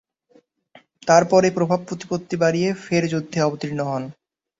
তার পরে প্রভাব প্রতিপত্তি বাড়িয়ে ফের যুদ্ধে অবতীর্ণ হন।